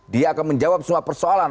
dia akan menjawab semua persoalan